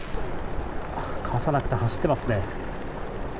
傘がなくて走ってますね。